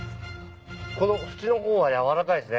この縁のほうは軟らかいですね。